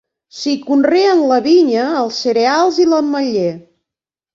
S'hi conreen la vinya, els cereals i l'ametller.